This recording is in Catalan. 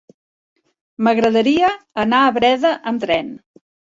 M'agradaria anar a Breda amb tren.